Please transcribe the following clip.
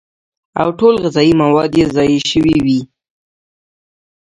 او ټول غذائي مواد ئې ضايع شوي وي